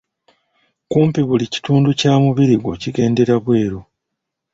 Kumpi buli kitundu kya mubiri gwo kigendera bweru.